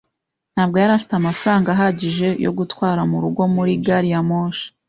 Ntabwo yari afite amafaranga ahagije yo gutwara murugo muri gari ya moshi.